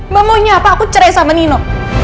mbak maunya apa aku cerai sama nino